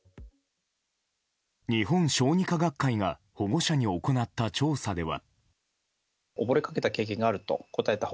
日本小児科学会が保護者に行った調査では。